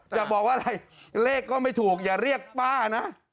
จะบอกว่าอะไรเลขก็ไม่ถูกอย่าเรียกป้านะ